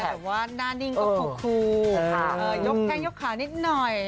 สไตล์แบบว่าหน้านิ่งก็โค้คูยกแพงยกขานิดหน่อย